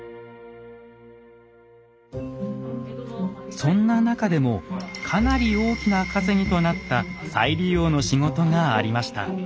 そんな中でもかなり大きな稼ぎとなった再利用の仕事がありました。